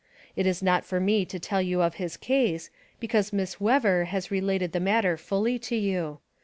It is not for me to tell you of his case, because Miss Wever has related the matter fully to you.